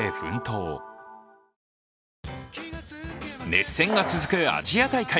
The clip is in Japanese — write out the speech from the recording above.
熱戦が続くアジア大会。